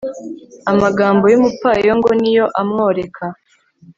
amagambo y'umupfayongo ni yo amworeka